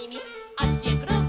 「あっちへくるん」